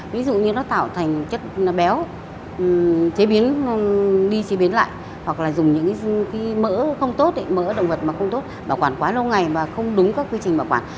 ví dụ như nó tạo thành chất béo chế biến đi chế biến lại hoặc là dùng những mỡ không tốt mỡ động vật mà không tốt bảo quản quá lâu ngày và không đúng các quy trình bảo quản